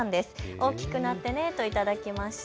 大きくなってねと頂きました。